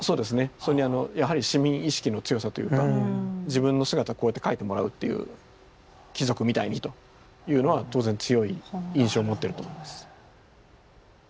それにやはり市民意識の強さというか自分の姿こうやって描いてもらうという貴族みたいにというのは当然強い印象を持ってると思います。